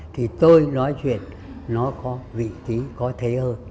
thì tôi nói chuyện nó có vị trí có thể hơn